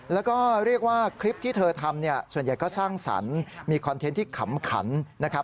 แล้วก็เรียกว่าคลิปที่เธอทำเนี่ยส่วนใหญ่ก็สร้างสรรค์มีคอนเทนต์ที่ขำขันนะครับ